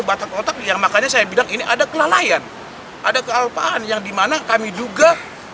batak otak yang makanya saya bilang ini ada kelalaian ada kealpaan yang dimana kami juga